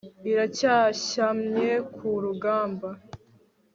iracyashyamye ku rugamba